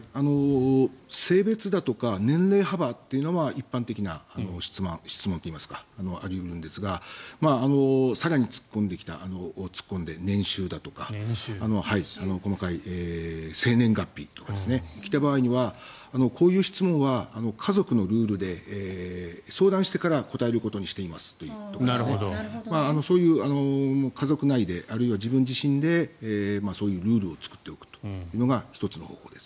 性別だとか年齢幅というのは一般的な質問といいますかあり得るんですが更に突っ込んで年収だとか細かい、生年月日とかが来た場合にはこういう質問は家族のルールで相談してから答えることにしていますとかそういう家族内であるいは自分自身でそういうルールを作っておくというのが１つの方法です。